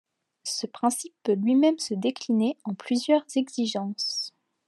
Ce principe peut lui-même se décliner en plusieurs exigences.